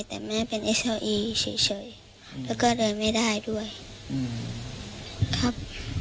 แต่แม่เป็นเอซาอีเฉยแล้วก็เดินไม่ได้ด้วยอืมครับ